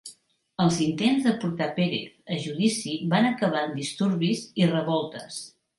Els intents de portar Perez a judici van acabar en disturbis i revoltes.